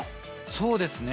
そうですね。